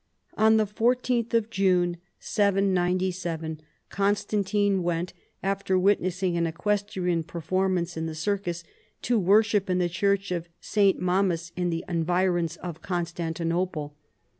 On the l ith of June 797 Constantino went, after witnessing an equestrian performance in the circus, to worship in the church of St. Mamas in the environs of Constan tinople.